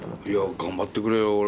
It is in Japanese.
いや頑張ってくれよ。